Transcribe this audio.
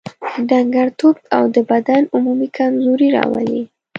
ډنګرتوب او د بدن عمومي کمزوري راولي.